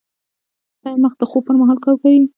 ایا مغز د خوب پر مهال کار کوي؟